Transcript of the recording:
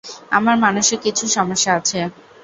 আমার মানসিক কিছু সমস্যা আছে।